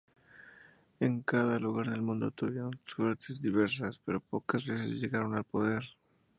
En cada lugar del mundo tuvieron suertes diversas, pero pocas veces llegaron al poder.